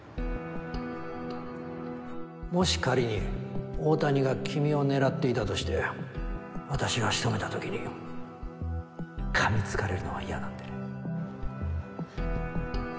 もし仮に大谷が君を狙っていたとして私が仕留めた時に噛みつかれるのは嫌なんでね